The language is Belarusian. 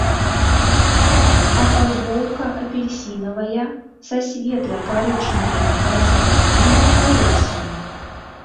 Афарбоўка апельсінавая са светла-карычневымі разарванымі палосамі.